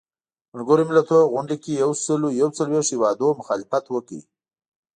ملګرو ملتونو غونډې کې یو سلو یو څلویښت هیوادونو مخالفت وکړ.